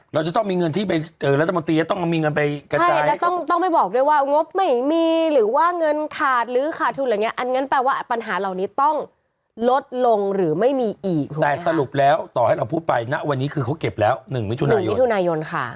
สรุปแล้วต่อให้เราพูดไปนะวันนี้ของเขาเก็บ๑พิธุนายนค่ะ